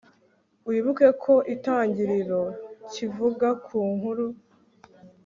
wibuke ko itangiriro kivuga ku nkuru